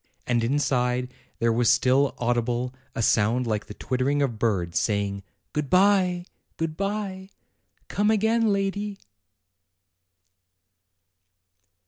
And inside there was still audible a sound like the twittering of birds, saying: "Good bye! good bye! Come again, lady!"